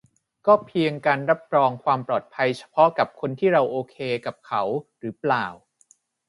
ก็เพียงการรับรองความปลอดภัยเฉพาะกับคนที่เราโอเคกับเขาหรือเปล่า